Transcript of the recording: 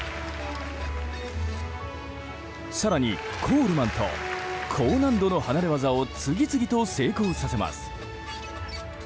更に、コールマンと高難度の離れ技を次々と成功させます。